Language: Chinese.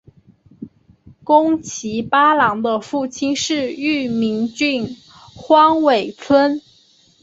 宫崎八郎的父亲是玉名郡荒尾村。